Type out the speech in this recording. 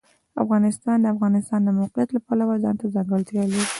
افغانستان د د افغانستان د موقعیت د پلوه ځانته ځانګړتیا لري.